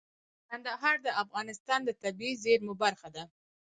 کندهار د افغانستان د طبیعي زیرمو برخه ده.